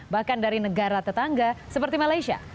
bahkan dari negara tetangga seperti malaysia